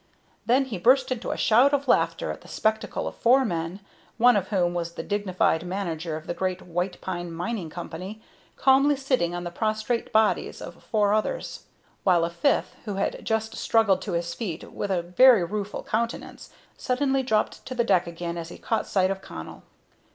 Then he burst into a shout of laughter at the spectacle of four men, one of whom was the dignified manager of the great White Pine Mining Company, calmly sitting on the prostrate bodies of four others, while a fifth, who had just struggled to his feet with a very rueful countenance, suddenly dropped to the deck again as he caught sight of Connell.